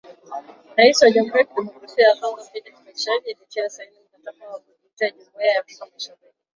Rais wa jamhuri ya kidemokrasia ya Kongo, Felix Tshisekedi alitia Saini mkataba wa kujiunga Jumuhia ya Afrika mashariki.